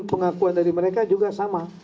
pengakuan dari mereka juga sama